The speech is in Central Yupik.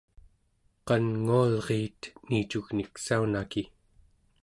qanngualriit niicugniksaunaki!